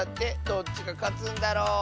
どっちがかつんだろ？